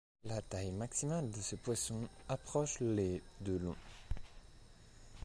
La taille maximale de ces poissons approche les de long.